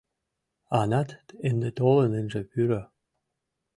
Анат ынде толын ынже пӱрӧ.